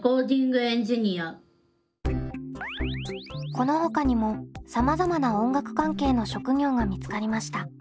このほかにもさまざまな音楽関係の職業が見つかりました。